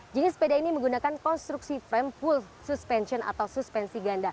jenis sepeda ini menggunakan konstruksi frame full suspension atau suspensi ganda